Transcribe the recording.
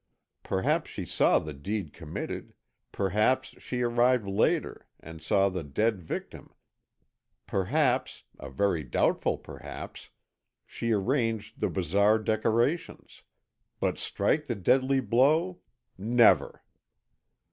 Perhaps she saw the deed committed, perhaps she arrived later, and saw the dead victim, perhaps—a very doubtful perhaps—she arranged the bizarre decorations, but strike the deadly blow—never!